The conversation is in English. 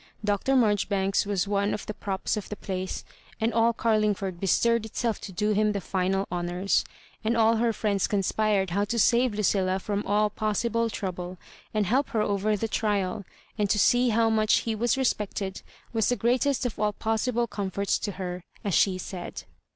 Dr. Marjoribanks was one of the props of the place, and all Carlingford bestirred itself to do him the final honours ; and all her friends oonspired how to save Lucilla from all possible trouble, and help her over the trial ; and to see bow much he was respected was the great est of all possible comforts to her, as she said.